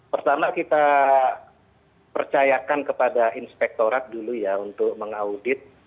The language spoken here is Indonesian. pertama kita percayakan kepada inspektorat dulu ya untuk mengaudit